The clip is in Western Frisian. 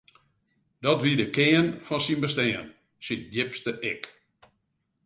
Dat wie de kearn fan syn bestean, syn djipste ik.